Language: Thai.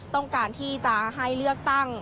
ต้องการที่จะให้เลือกตั้ง